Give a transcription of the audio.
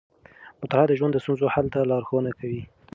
مطالعه د ژوند د ستونزو حل ته لارښونه کوي.